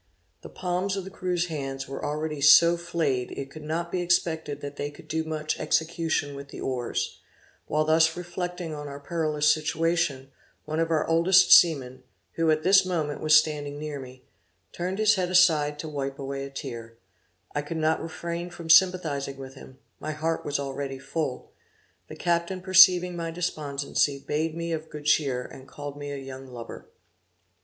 The palms of the crew's hands were already so flayed it could not be expected that they could do much execution with the oars while thus reflecting on our perilous situation, one of our oldest seamen, who at this moment was standing near me, turned his head aside to wipe away a tear I could not refrain from sympathizing with him my heart was already full; the captain perceiving my despondency bade me be of good cheer, and called me a young lubber.